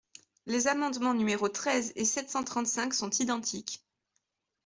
Les amendements numéros treize et sept cent trente-cinq sont identiques.